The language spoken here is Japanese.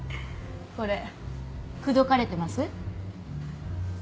これ口説かれてます？